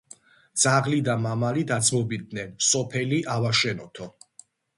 ძაღლი და მამალი დაძმობილდენ: სოფელი ავაშენოთო!